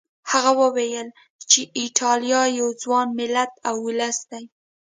هغه وویل ځکه چې ایټالیا یو ځوان ملت او ولس دی.